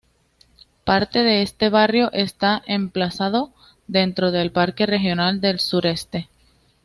Parte de este barrio está emplazado dentro del Parque Regional del Sureste.